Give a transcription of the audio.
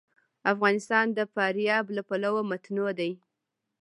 افغانستان د فاریاب له پلوه متنوع دی.